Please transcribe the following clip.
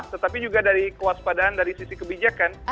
tetapi juga dari kewaspadaan dari sisi kebijakan